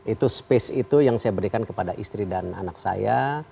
itu space itu yang saya berikan kepada istri dan anak saya